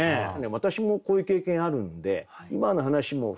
私もこういう経験あるんで今の話も含めて